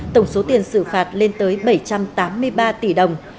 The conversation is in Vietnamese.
tổng số tiền xử phạt lên tới bảy trăm tám mươi ba tỷ đồng